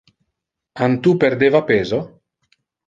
An tu perdeva peso?